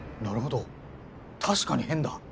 なるほど確かに変だ。